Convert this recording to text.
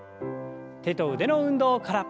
手と腕の運動から。